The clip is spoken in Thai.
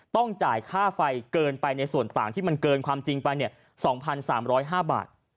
ต้องจ่ายค่าไฟเกินไปในส่วนต่างที่มันเกินความจริงไป๒๓๐๕บาท